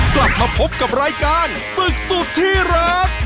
กลับมาพบกับรายการศึกสุดที่รัก